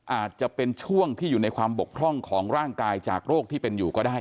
อาจจะเป็นช่วงที่อยู่ในความบกพร่องของร่างกายจากโรคที่เป็นอยู่ก็ได้